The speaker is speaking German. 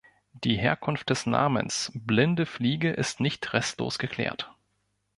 Die Herkunft des Namens Blinde Fliege ist nicht restlos geklärt.